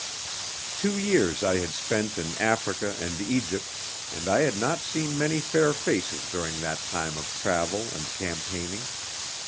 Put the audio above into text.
Two years I had spent in Africa and Egypt, and I had not seen many fair faces during that time of travel and campaigning.